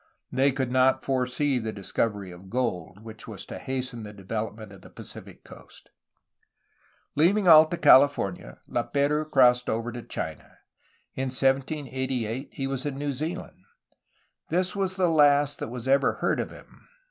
They could not foresee the discovery of gold, which was to hasten the development of the Pacific coast. Leaving Alta Califor nia, Laperouse crossed over to China. In 1788 he was in New Zealand. This was the last that was ever heard of him.